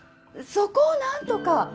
そこを何とか！